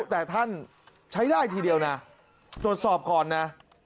แต่ท่านใช้ได้ทีเดียวนะตรวจสอบก่อนนะ